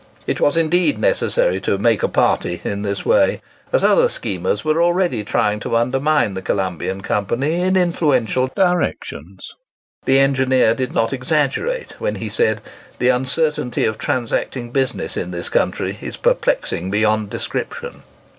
It was, indeed, necessary to "make a party" in this way, as other schemers were already trying to undermine the Colombian company in influential directions. The engineer did not exaggerate when he said, "The uncertainty of transacting business in this country is perplexing beyond description."